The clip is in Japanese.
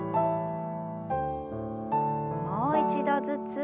もう一度ずつ。